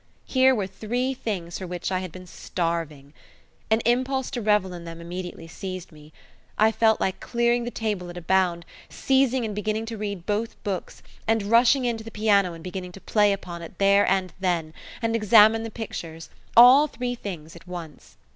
Here were three things for which I had been starving. An impulse to revel in them immediately seized me. I felt like clearing the table at a bound, seizing and beginning to read both books, and rushing in to the piano and beginning to play upon it there and then, and examine the pictures all three things at once.